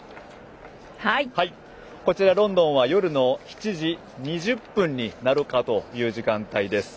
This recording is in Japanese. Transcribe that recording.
こちらロンドンは夜の７時２０分になるかという時間帯です。